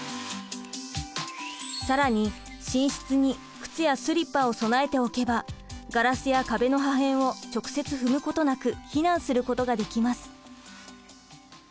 更に寝室に靴やスリッパを備えておけばガラスや壁の破片を直接踏むことなく避難することができます。